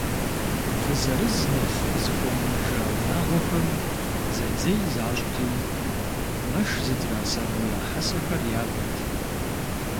Вы зырыз нэхъ къызыхуэмынэжа унагъуэхэм зэдзей защӏти, мэш зытрасэну я хьэсэхэр явэт.